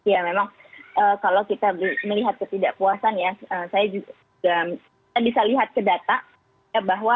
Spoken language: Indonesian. ya memang kalau kita melihat ketidakpuasan ya saya juga kita bisa lihat ke data ya bahwa